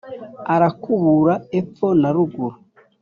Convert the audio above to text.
Urakabura epfo na ruguru